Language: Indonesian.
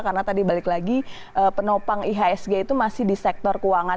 karena tadi balik lagi penopang ihsg itu masih di sektor keuangan